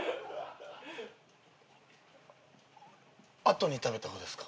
後に食べた方ですか？